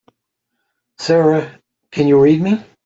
Sara can you read me?